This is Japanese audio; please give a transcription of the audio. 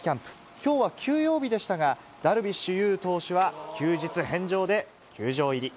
きょうは休養日でしたが、ダルビッシュ有投手は休日返上で球場入り。